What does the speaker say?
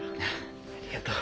ありがとう。